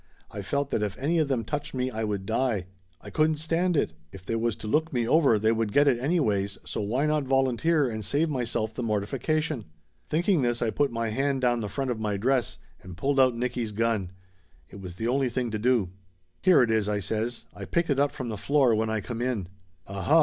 I felt that if any of them touched me I would die. I couldn't stand it. If they was to look me over they would get it anyways, so why not volunteer and save myself the mortification? Thinking this I put my hand down the front of my dress and pulled out Nicky's gun. It was the only thing to do. "Here it is !" I says. "I picked it up from the floor when I come in." "Aha